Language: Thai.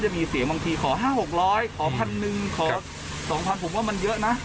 มีเสียบางทีขอ๕๐๐๖๐๐ขอ๑๐๐๐๒๐๐๐ผมว่ามันเยอะนะ